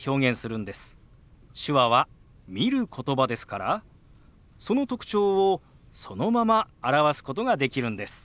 手話は見る言葉ですからその特徴をそのまま表すことができるんです。